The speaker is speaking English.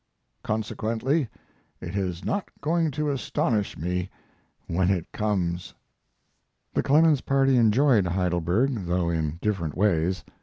Consequently it is not going to astonish me when it comes. The Clemens party enjoyed Heidelberg, though in different ways.